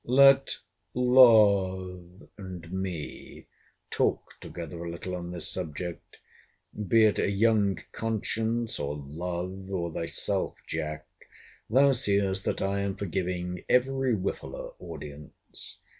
Let LOVE and me talk together a little on this subject—be it a young conscience, or love, or thyself, Jack, thou seest that I am for giving every whiffler audience.